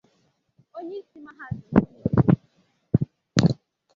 onyeisi mahadum Unizik